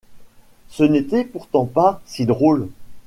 Ce n’était pourtant pas si drôle.